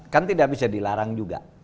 kan tidak bisa dilarang juga